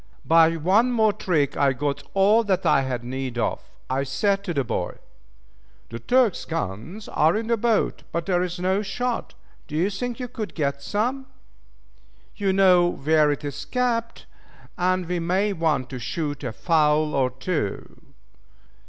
By one more trick I got all that I had need of. I said to the boy, "the Turk's guns are in the boat, but there is no shot. Do you think you could get some? You know where it is kept, and we may want to shoot a fowl or two."